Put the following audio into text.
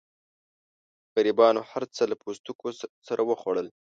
غریبانو هرڅه له پوستکو سره وخوړل.